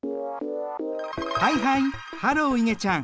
はいはいハローいげちゃん。